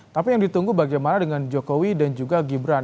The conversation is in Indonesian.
tapi yang ditunggu bagaimana dengan jokowi dan juga gibran